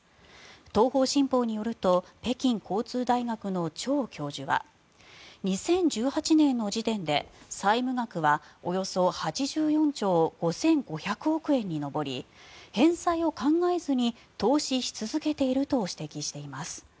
東方新報によると北京交通大学のチョウ教授は２０１８年の時点で、債務額はおよそ８４兆５５００億円に上り返済を考えずに投資し続けていると指摘しています。